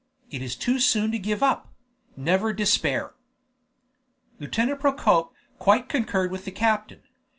It is too soon to give up; never despair!" Lieutenant Procope quite concurred with the captain.